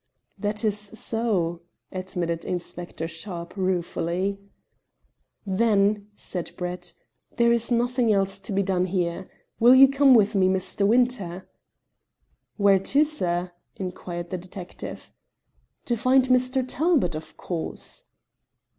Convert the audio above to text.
"That is so," admitted Inspector Sharpe ruefully. "Then," said Brett, "there is nothing else to be done here. Will you come with me, Mr. Winter?" "Where to, sir?" inquired the detective. "To find Mr. Talbot, of course."